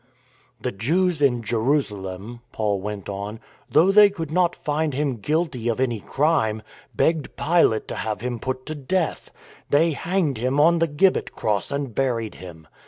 " The Jews in Jerusalem," Paul went on, " though they could not find Him guilty of any crime, begged Pilate to have Him put to death. They hanged Him on the gibbet cross and buried Him.